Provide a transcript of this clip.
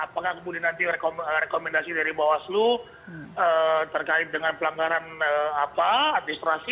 apakah kemudian nanti rekomendasi dari bawaslu terkait dengan pelanggaran administrasi